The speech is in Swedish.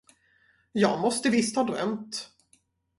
Jag måste visst ha drömt.